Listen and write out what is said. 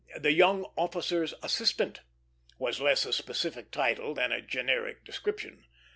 The Young Officer's Assistant was less a specific title than a generic description.